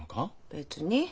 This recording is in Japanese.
別に。